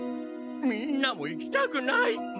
みんなも行きたくないって。